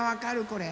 これ。